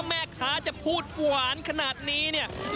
ถ้าแม่ค้าจะพูดหวานขนาดนี้ไหนละครับ